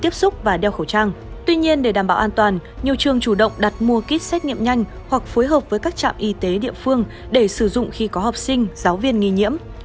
phụ trường chủ động đặt mua kit xét nghiệm nhanh hoặc phối hợp với các trạm y tế địa phương để sử dụng khi có học sinh giáo viên nghi nhiễm